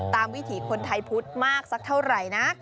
วิถีคนไทยพุทธมากสักเท่าไหร่นะ